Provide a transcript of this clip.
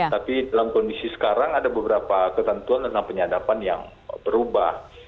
tapi dalam kondisi sekarang ada beberapa ketentuan tentang penyadapan yang berubah